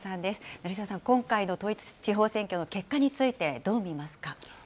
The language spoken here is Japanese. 成澤さん、今回の統一地方選挙の結果についてどう見ますか。